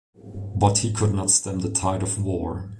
But he could not stem the tide of war.